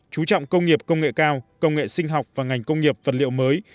chú trọng công nghiệp công nghệ cao công nghệ sinh học và ngành công nghiệp vật liệu mới